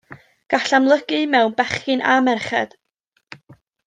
Gall amlygu mewn bechgyn a merched.